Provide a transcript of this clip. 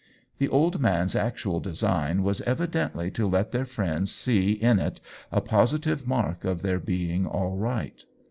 The old man's actual design was evidently to let their friends see in it a positive mark of their being all right.